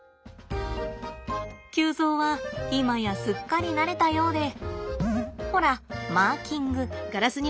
臼三は今やすっかり慣れたようでほらマーキング。